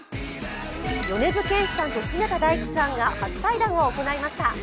米津玄師さんと常田大希さんが初対談を行いました。